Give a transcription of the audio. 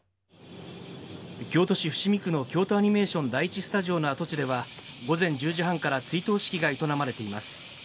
京都市伏見区の京都アニメーション第１スタジオの跡地では、午前１０時半から、追悼式が営まれています。